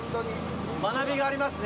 学びがありますね。